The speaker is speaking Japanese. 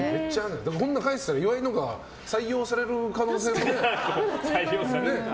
こんなの描いてたら岩井のが採用される可能性が。